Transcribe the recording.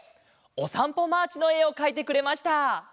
「おさんぽマーチ」のえをかいてくれました。